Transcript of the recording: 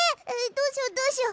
どうしよどうしよ！